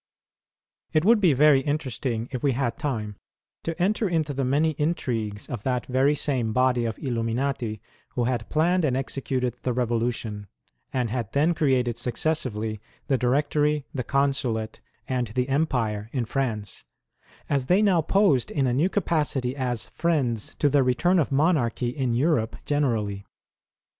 It would be very interesting, if we had time, to enter into the many intrigues of that very same body of Illuminati who had planned and executed the Kevolution, and had then created successively the Directory, the Consulate, and the Empire in France, as they now j)Osed in a new capacity as friends to the return of Monarchy in Europe generally.